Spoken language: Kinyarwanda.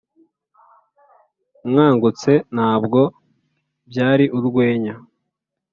nkangutse, ntabwo byari urwenya